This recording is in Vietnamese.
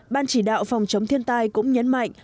ban chỉ đạo phòng chống thiên tai cũng nhấn mạnh